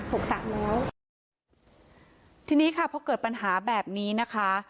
หกสามแล้วทีนี้ค่ะพอเกิดปัญหาแบบนี้นะคะ